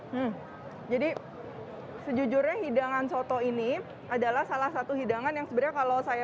hai jadi sejujurnya hidangan soto ini adalah salah satu hidangan yang sebetulnya kalau saya